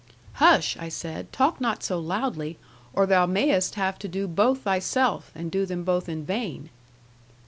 '"Hush!" I said; "talk not so loudly, or thou mayst have to do both thyself, and do them both in vain."